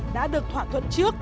đã được thỏa thuận trước